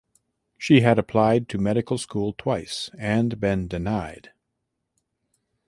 She had applied to medical school twice and been denied.